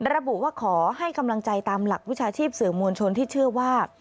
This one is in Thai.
ระบุว่าขอให้กำลังใจตามหลักวิชาชีพสื่อมวลชนที่เชื่อว่า